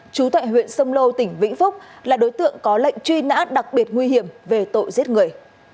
chú tại huyện sông lô tỉnh vĩnh phúc là đối tượng có lệnh truy nã đặc biệt nguy hiểm về tội giết người